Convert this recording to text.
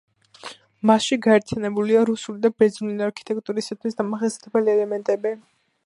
მასში გაერთიანებულია რუსული და ბერძნული არქიტექტურისთვის დამახასიათებელი ელემენტები.